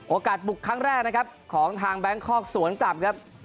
บุกครั้งแรกนะครับของทางแบงคอกสวนกลับครับ